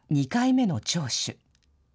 ２回目の聴取。